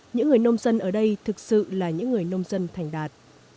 những người nông dân ở đây thực sự là những người nông dân thành đạt